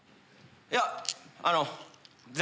いやあの。